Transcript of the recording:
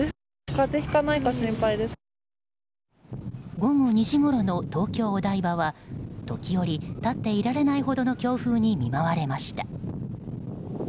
午後２時ごろの東京・お台場は時折、立っていられないほどの強風に見舞われました。